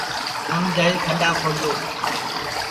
تھم جائی کھڈؔا کھودؔو